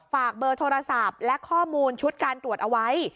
ฝากเบอร์โทรศัพท์และข้อมูลชุดการตรวจเอาไว้